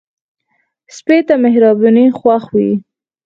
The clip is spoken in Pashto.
سپي ته مهرباني خوښ وي.